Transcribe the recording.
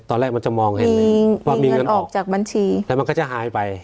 ตอนแรกมันจะมองเห็นว่ามีเงินออกจากบัญชีแล้วมันก็จะหายไป